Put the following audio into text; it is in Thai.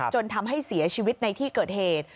จนทำให้เสียชีวิตในที่เกิดเหตุ